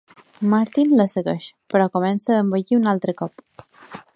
Martin la segueix, però comença a envellir un altre cop.